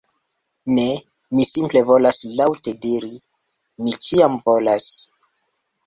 Ne, mi simple volas laŭte diri "Mi ĉiam volas!"